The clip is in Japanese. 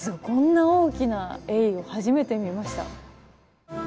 こんな大きなエイを初めて見ました。